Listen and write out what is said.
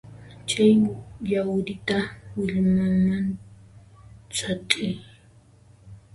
Chay yawrita willmaman sat'iy.